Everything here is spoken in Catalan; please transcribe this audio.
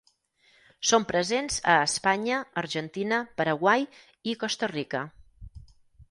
Són presents a Espanya, Argentina, Paraguai i Costa Rica.